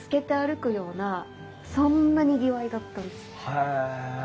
へえ。